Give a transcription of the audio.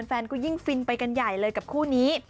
แฟนก็ยิ่งฟินไปกันใหญ่เลยกับคู่นี้